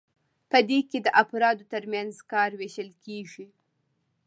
په دې کې د افرادو ترمنځ کار ویشل کیږي.